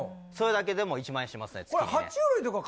それだけでも１万円しますね月にね。